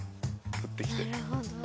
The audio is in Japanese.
降ってきて。